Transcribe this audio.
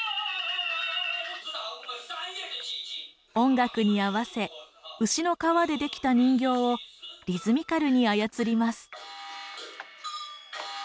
音楽に合わせ牛の革で出来た人形をリズミカルに操ります。